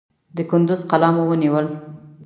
د کندوز قلا مو ونیول.